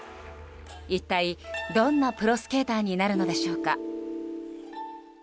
一体どんなプロスケーターになるのでしょうか。